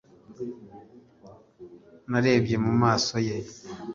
Narebye mu maso ye